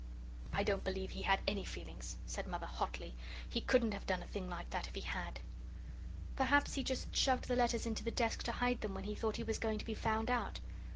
"I don't believe he had any feelings," Mother said hotly; "he couldn't have done a thing like that if he had." "Perhaps he just shoved the letters into the desk to hide them when he thought he was going to be found out.